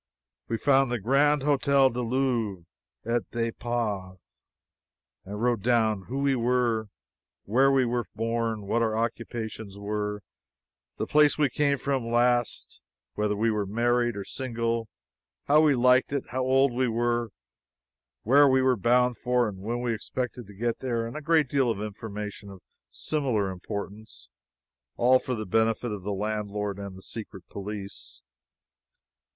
We found the Grand Hotel du Louvre et de la Paix, and wrote down who we were, where we were born, what our occupations were, the place we came from last, whether we were married or single, how we liked it, how old we were, where we were bound for and when we expected to get there, and a great deal of information of similar importance all for the benefit of the landlord and the secret police.